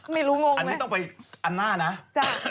สีเกาะครับตรงนี้ต้องไปอันน่านะได้